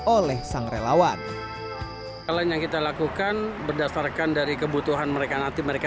oleh sang relawan kalian yang kita lakukan berdasarkan dari kebutuhan mereka nanti mereka